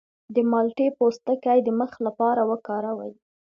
د مالټې پوستکی د مخ لپاره وکاروئ